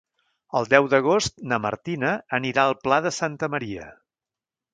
El deu d'agost na Martina anirà al Pla de Santa Maria.